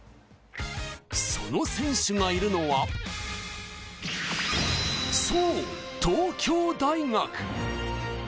その選手がいるのはそう、東京大学。